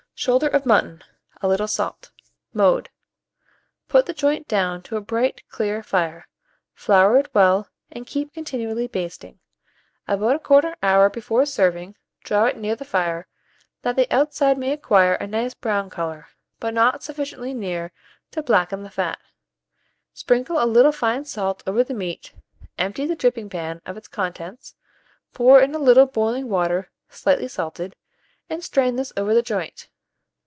Shoulder of mutton; a little salt. Mode. Put the joint down to a bright, clear fire; flour it well, and keep continually basting. About 1/4 hour before serving, draw it near the fire, that the outside may acquire a nice brown colour, but not sufficiently near to blacken the fat. Sprinkle a little fine salt over the meat, empty the dripping pan of its contents, pour in a little boiling water slightly salted, and strain this over the joint.